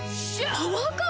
パワーカーブ⁉